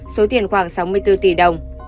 số tiền khoảng sáu mươi bốn tỷ đồng